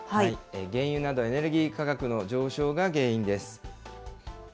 原油などエネルギー価格の上昇が原因です。